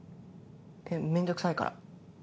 面倒くさいから。